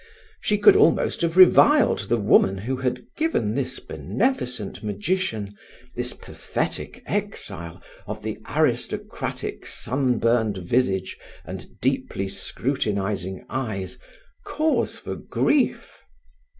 She could almost have reviled the woman who had given this beneficent magician, this pathetic exile, of the aristocratic sunburned visage and deeply scrutinizing eyes, cause for grief.